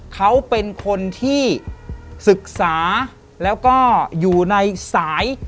เขาเป็นคนที่ศึกษาแล้วก็อยู่ในสาย